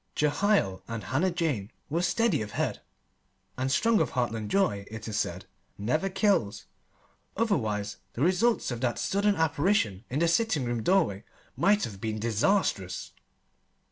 Jehiel and Hannah Jane were steady of head and strong of heartland joy, it is said, never kills; otherwise, the results of that sudden apparition in the sitting room doorway might have been disastrous.